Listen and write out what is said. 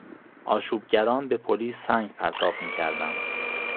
آشوبگران به پلیس سنگ پرتاب میکردند.